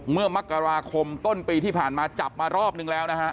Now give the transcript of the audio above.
เมื่อมกราคมต้นปีที่ผ่านมาจับมารอบนึงแล้วนะฮะ